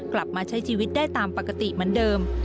กลับมาใช้ชีวิตได้ตามปกติเหมือนเดิม